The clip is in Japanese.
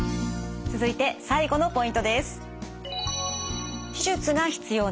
続いて最後のポイントです。